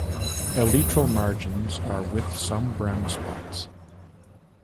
Elytral margins are with some brown spots.